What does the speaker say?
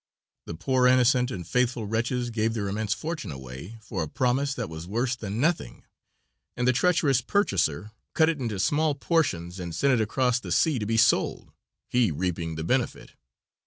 The poor innocent and faithful wretches gave their immense fortune away for a promise that was worse than nothing, and the treacherous purchaser cut it into small portions and sent it across the sea to be sold, he reaping the benefit.